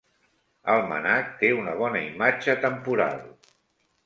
El MNAC té una bona imatge temporal.